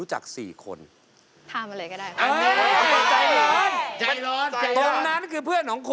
อ๋อจริง